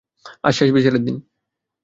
আজ শেষ বিচারের দিন!